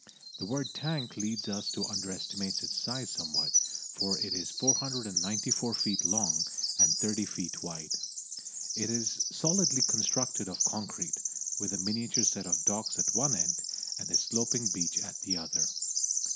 The word tank leads us to underestimate its size somewhat, for it is 494 feet long and 30 feet wide. It is solidly constructed of concrete, with a miniature set of docks at one end, and a sloping beach at the other.